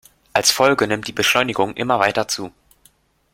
Als Folge nimmt die Beschleunigung immer weiter zu.